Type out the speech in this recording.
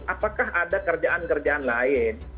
apakah ada kerjaan kerjaan lain